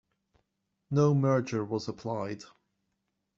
No merger was applied.